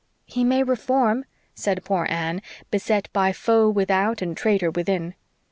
"He may reform," said poor Anne, beset by foe without and traitor within.